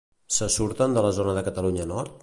Se surten de la zona de Catalunya Nord?